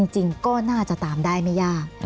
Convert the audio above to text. จริงก็น่าจะตามได้ไม่ยาก